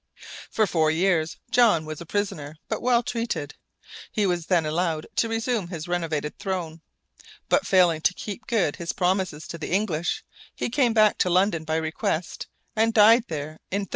For four years John was a prisoner, but well treated. He was then allowed to resume his renovated throne; but failing to keep good his promises to the English, he came back to London by request, and died there in 1364.